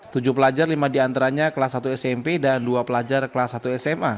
tujuh pelajar lima diantaranya kelas satu smp dan dua pelajar kelas satu sma